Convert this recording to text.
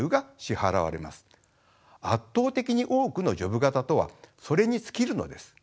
圧倒的に多くのジョブ型とはそれに尽きるのです。